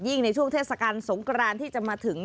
ในช่วงเทศกาลสงกรานที่จะมาถึง